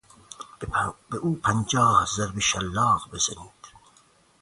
به او پنجاه ضربه شلاق زدند.